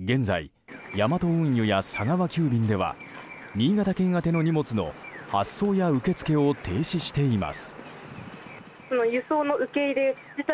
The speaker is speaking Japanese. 現在ヤマト運輸や佐川急便では新潟県宛ての荷物の発送や受け付けを停止しています。